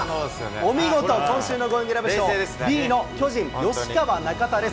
お見事、今週のゴーインググラブ賞、Ｂの巨人、吉川、中田です。